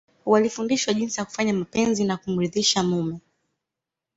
Walifundishwa jinsi ya kufanya mapenzi na kumridhisha mume